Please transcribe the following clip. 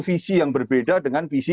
visi yang berbeda dengan visi